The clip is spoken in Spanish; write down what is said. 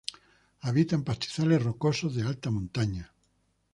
Habita en pastizales rocosos de alta montaña.